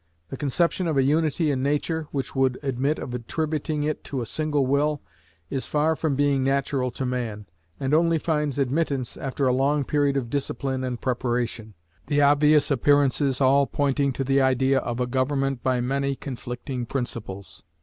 The conception of a unity in Nature, which would admit of attributing it to a single will, is far from being natural to man, and only finds admittance after a long period of discipline and preparation, the obvious appearances all pointing to the idea of a government by many conflicting principles.